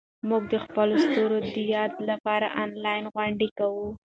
موږ د خپلو ستورو د یاد لپاره انلاین غونډې کوو.